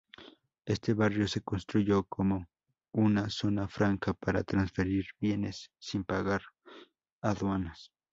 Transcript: Este barrio se construyó como una zona franca para transferir bienes sin pagar aduanas.